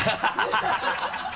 ハハハ